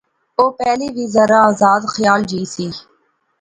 او پہلے وی ذرا آزاد خیال جئی سی